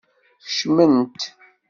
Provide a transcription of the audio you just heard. Kecmemt!